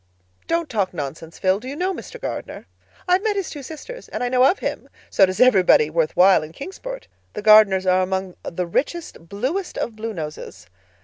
"Don't talk nonsense, Phil. Do you know Mr. Gardner?" "I've met his two sisters, and I know of him. So does everybody worthwhile in Kingsport. The Gardners are among the richest, bluest, of Bluenoses.